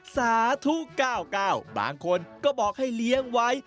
สาธุ๙๙บางคนก็บอกให้เลี้ยงไว้